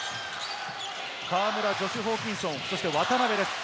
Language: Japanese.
河村、ジョシュ・ホーキンソン、そして渡邊です。